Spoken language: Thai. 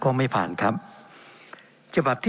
เป็นของสมาชิกสภาพภูมิแทนรัฐรนดร